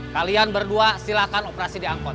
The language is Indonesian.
kalian berdua silahkan operasi di angkot